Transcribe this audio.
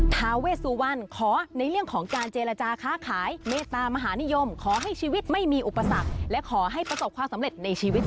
ทาเวสุวรรณขอในเรื่องของการเจรจาค้าขายเมตตามหานิยมขอให้ชีวิตไม่มีอุปสรรคและขอให้ประสบความสำเร็จในชีวิต